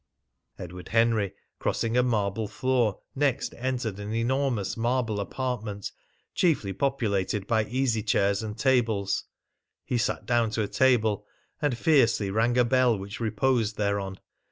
Edward Henry, crossing a marble floor, next entered an enormous marble apartment chiefly populated by easy chairs and tables. He sat down to a table, and fiercely rang a bell which reposed thereon.